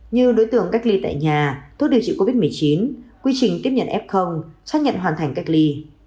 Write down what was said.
như đối tượng cách ly tại nhà thuốc điều trị covid một mươi chín quy trình tiếp nhận f xác nhận hoàn thành cách ly